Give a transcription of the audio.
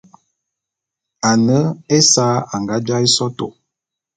Ane ésa anga jaé sotô.